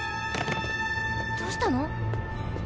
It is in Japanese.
どうしたの？